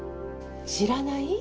知らない？